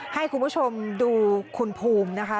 ให้คุณผู้ชมดูคุณภูมินะคะ